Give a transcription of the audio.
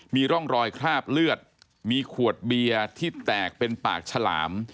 มีร่องรอยคราบเลือดมีขวดเบียร์ที่แตกเป็นปากฉลาม